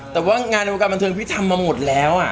แต่ว่างานในวงการบันเทิงพี่ทำมาหมดแล้ว